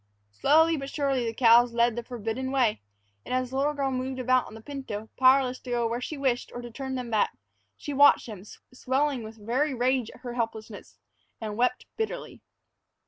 Slowly, but surely, the cows led the forbidden way, and as the little girl moved about on the pinto, powerless to go where she wished or to turn them back, she watched them, swelling with very rage in her helplessness, and wept bitterly.